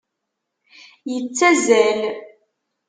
Yettazal.